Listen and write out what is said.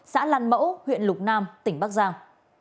xã lăn mẫu huyện lục nam tỉnh bắc giang